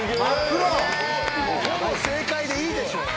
ほぼ正解でいいでしょう